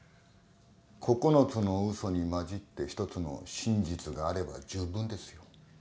９つのうそに混じって一つの真実があれば十分ですよ。